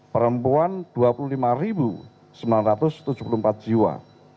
perempuan dua puluh lima sembilan ratus tujuh puluh empat jiwa